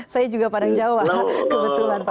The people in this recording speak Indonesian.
saya juga padang jawa kebetulan pak